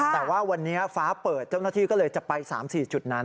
แต่ว่าวันนี้ฟ้าเปิดเจ้าหน้าที่ก็เลยจะไป๓๔จุดนั้น